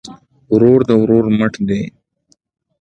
ورور د ورور مټ دی